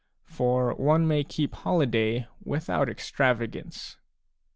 For one may keep holiday without extravagance.